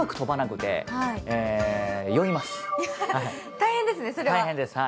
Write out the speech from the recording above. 大変ですね、それは。